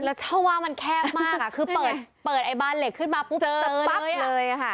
แล้วเท่าว่ามันแคบมากคือเปิดบานเหล็กขึ้นมาปุ๊บเจอเลย